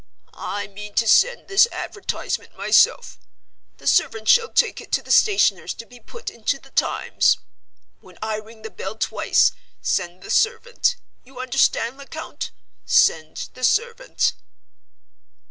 "I mean to send this advertisement myself. The servant shall take it to the stationer's to be put into the Times. When I ring the bell twice, send the servant. You understand, Lecount? Send the servant."